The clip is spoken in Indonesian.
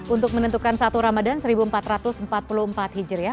untuk menentukan satu ramadhan seribu empat ratus empat puluh empat hijriah